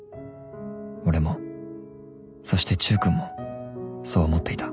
［俺もそしてチュウ君もそう思っていた］